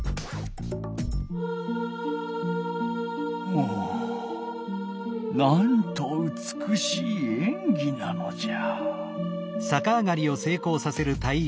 おおなんとうつくしいえんぎなのじゃ。